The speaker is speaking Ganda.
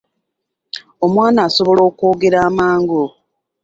Omwana asobola okwogera amangu.